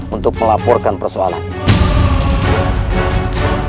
untuk melaporkan persoalannya